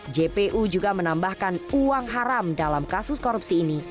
jpu juga menambahkan uang haram dalam kasus korupsi ini